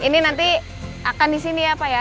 ini nanti akan di sini ya pak ya